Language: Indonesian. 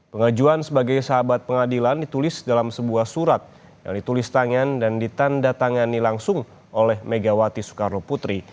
pengajuan sebagai sahabat pengadilan ditulis dalam sebuah surat yang ditulis tangan dan ditanda tangani langsung oleh megawati soekarno putri